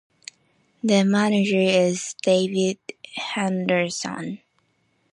The manager is David Henderson.